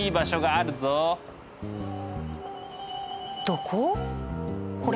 どこ？